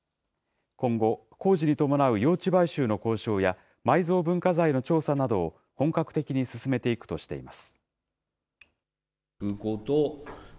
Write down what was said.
今後、工事に伴う用地買収の交渉や埋蔵文化財の調査などを本格的に進めていくとしています。